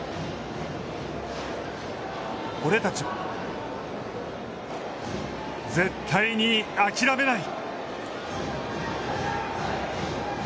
俺たちは、絶対に諦めない！